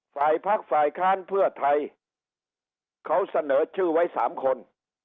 พักฝ่ายค้านเพื่อไทยเขาเสนอชื่อไว้๓คน